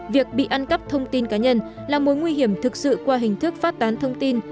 việc bị ăn cắp thông tin cá nhân là mối nguy hiểm thực sự qua hình thức phát tán thông tin